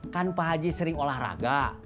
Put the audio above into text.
kan pak haji sering olahraga